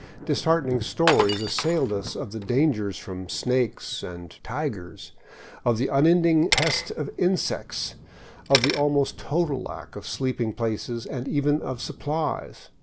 Disheartening stories as sailed us of the dangers from snakes and " tigers," of the unending pest of insects, of the almost total lack of sleeping places and even of supplies.